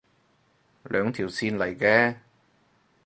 兩條線嚟嘅